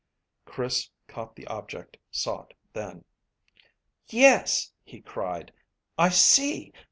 Chris caught the object sought then. "Yes," he cried, "I see.